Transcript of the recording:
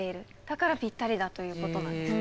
だからぴったりだということなんです。